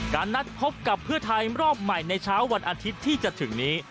นัดพบกับเพื่อไทยรอบใหม่ในเช้าวันอาทิตย์ที่จะถึงนี้